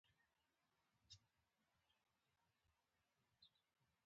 ټپه ده: مادې راتلو لارې څارلې میاشتې دې تېرې کړې کلونه دې شمارمه